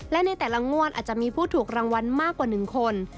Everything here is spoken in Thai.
และในแต่ละงวดอาจจะมีผู้ถูกรางวัลมากกว่า๑คน